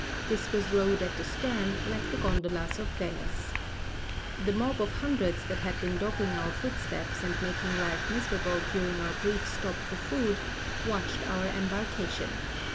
This was rowed at the stern, like the gondolas of Venice. The mob of hundreds that had been dogging our foot steps and making life miserable, during our brief stop for food, watched our embarkation.